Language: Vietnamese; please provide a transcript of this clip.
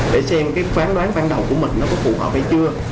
để xem phán đoán ban đầu của mình có phù hợp hay chưa